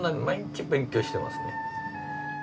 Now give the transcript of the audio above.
毎日勉強してますね。